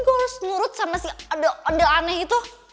gue harus nurut sama si oda oda aneh itu